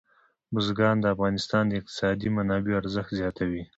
بزګان د افغانستان د اقتصادي منابعو ارزښت زیاتوي.